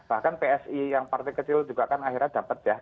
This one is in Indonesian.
bahkan psi yang partai kecil juga kan akhirnya dapat ya